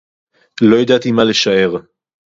לֹא יָדַעְתִּי מָה לְשַׁעֵר.